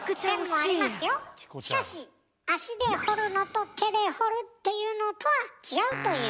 しかし足で掘るのと手で掘るっていうのとは違うという。